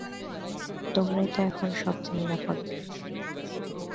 তোমারই তো এখন সব চেয়ে নিরাপদ বয়েস।